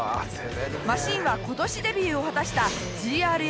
マシンは今年デビューを果たした。